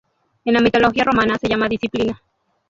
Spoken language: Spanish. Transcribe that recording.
En la mitología romana se llama Disciplina.